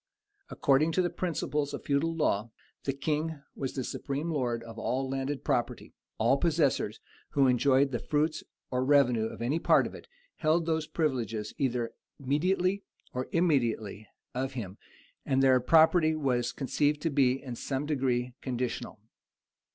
According to the principles of the feudal law, the king wa the supreme lord of the landed property: all possessors, who enjoyed the fruits or revenue of any part of it, held those privileges, either mediately or immediately, of him; and their property was conceived to be, in some degree, conditional.